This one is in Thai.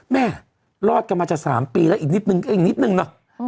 รอดกันมาจะ๓ปีแล้วอีกนิดนึงอีกนิดนึงเนอะ